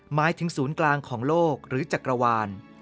หมายถึงศูนย์กลางของโลกหรือจักรวาล